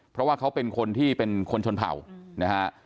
เพราะว่าเขาเป็นคนที่เป็นคนชนเผ่านะฮะ